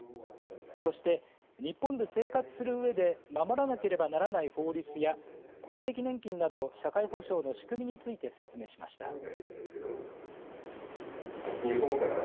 そして、日本で生活する上で守らなければならない法律や公的年金など社会保障の仕組みについて説明しました。